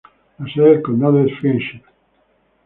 La sede del condado es Friendship.